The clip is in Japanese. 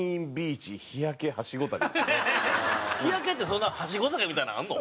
日焼けってそんなはしご酒みたいなのあるの？